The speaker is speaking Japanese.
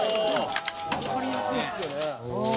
「わかりやすいですよね」